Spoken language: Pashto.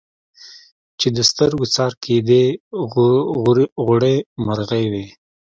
چي د سترګو څار کېدی غوړي مرغې وې